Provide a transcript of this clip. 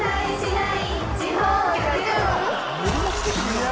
いや！